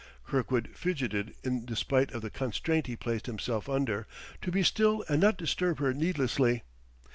Kirkwood fidgeted in despite of the constraint he placed himself under, to be still and not disturb her needlessly.